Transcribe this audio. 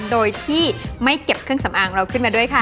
โดยที่ไม่เก็บเครื่องสำอางเราขึ้นมาด้วยค่ะ